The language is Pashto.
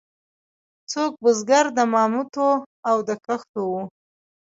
څوک بزګر د مامتو او د کښتو وو.